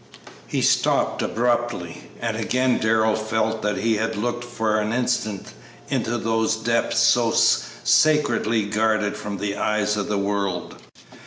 He stopped abruptly, and again Darrell felt that he had looked for an instant into those depths so sacredly guarded from the eyes of the world.